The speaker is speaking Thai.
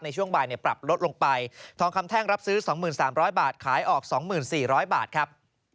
ในช่วงบ่ายปรับลดลงไปทองคำแท่งรับซื้อ๒๓๐๐บาทขายออก๒๔๐๐บาทครับ